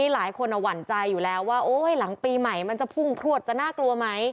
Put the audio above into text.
หลายคนหวั่นใจอยู่แล้วว่าโอ๊ยหลังปีใหม่มันจะพุ่งพลวดจะน่ากลัวไหม